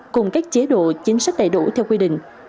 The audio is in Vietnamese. cùng các chế độ chính sách đầy đủ theo quy định